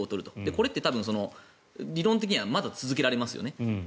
これって理論的にはまだ続けられますよね。